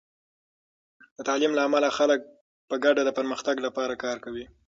د تعلیم له امله، خلک په ګډه د پرمختګ لپاره کار کوي.